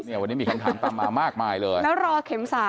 แล้วรอเข็มสามเข็ม